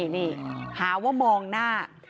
นี่หาว่ามองหน้า